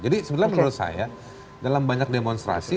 jadi menurut saya dalam banyak demonstrasi